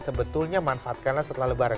sebetulnya manfaatkanlah setelah lebaran